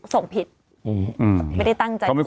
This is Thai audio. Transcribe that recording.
ของปุ้มปุ้ยไม่ได้เกี่ยวอะไรกับดิว